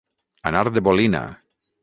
Anar de bolina.